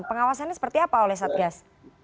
pengawasannya seperti apa oleh satgas